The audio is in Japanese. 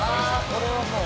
これはもう」